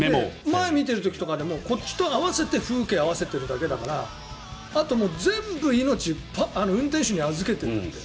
前を見ている時でもこっちと合わせて風景を合わせているだけだからあと全部、命を運転手に預けてるんだって。